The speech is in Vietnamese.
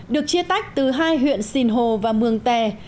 được chia tách từ hai huyện sinh hồ và mường tè